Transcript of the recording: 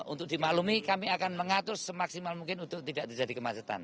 untuk dimaklumi kami akan mengatur semaksimal mungkin untuk tidak terjadi kemacetan